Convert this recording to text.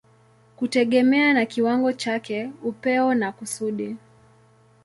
kutegemea na kiwango chake, upeo na kusudi.